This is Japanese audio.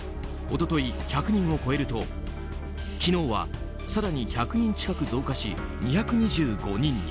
一昨日、１００人を超えると昨日は、更に１００人近く増加し２２５人に。